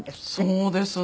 そうですね。